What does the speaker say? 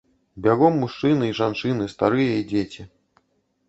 Бягом мужчыны і жанчыны, старыя і дзеці.